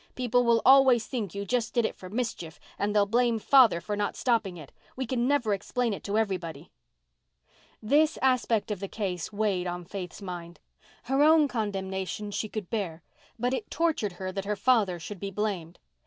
People will always think you just did it for mischief, and they'll blame father for not stopping it. We can never explain it to everybody." This aspect of the case weighed on Faith's mind. Her own condemnation she could bear, but it tortured her that her father should be blamed.